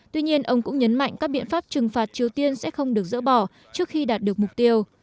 tuy nhiên ông cũng nhấn mạnh các biện pháp trừng phạt triều tiên sẽ không được dỡ bỏ trước khi đạt được mục tiêu